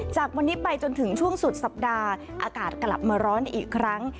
จากวันนี้ไปจนถึงช่วงสุดสัปดาห์อากาศกลับมาร้อนอีกครั้ง